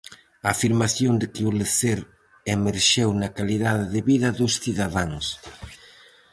A afirmación de que o lecer emerxeu na calidade de vida dos cidadáns.